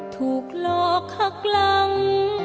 ถูกหลอกหักหลัง